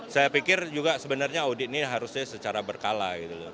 saya pikir juga sebenarnya audit ini harusnya secara berkala